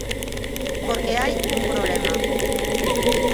Porque hai un problema.